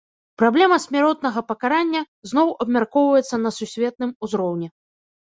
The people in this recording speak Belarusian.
Праблема смяротнага пакарання зноў абмяркоўваецца на сусветным узроўні.